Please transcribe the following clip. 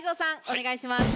お願いします。